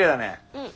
うん。